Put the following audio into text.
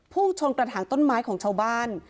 พุ่งชนกระถางต้นไม้ของชาวบ้าน